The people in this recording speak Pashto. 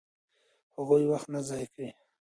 هغوی وخت نه ضایع کوي.